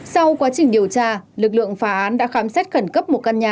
sau quá trình điều tra lực lượng phá án đã khám xét khẩn cấp một căn nhà